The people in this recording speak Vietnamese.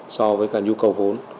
so với cả nhu cầu vốn